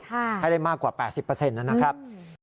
ให้ได้มากกว่า๘๐นะครับ